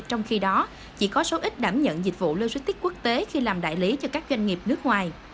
trong khi đó chỉ có số ít đảm nhận dịch vụ logistics quốc tế khi làm đại lý cho các doanh nghiệp nước ngoài